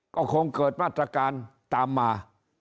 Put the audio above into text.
ก็คงเกิดมาตรการตามมา